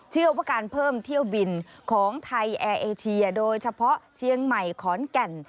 เชื่อว่าการเพิ่มเที่ยวบินของไทยแอร์เอเชียโดยเฉพาะเชียงใหม่ขอนแก่น